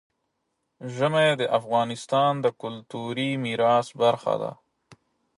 ژمی د افغانستان د کلتوري میراث برخه ده.